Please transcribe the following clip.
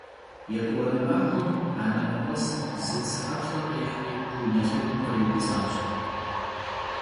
Yêt'uane maxuem anenep'esım zı tsı 'eplh'e khihri vune lhegum khriupts'aş.